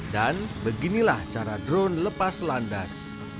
dan beginilah cara drone lepas landas